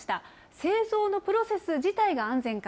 製造のプロセス自体が安全か。